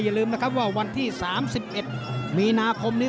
อย่าลืมนะครับว่าวันที่๓๑มีนาคมนี้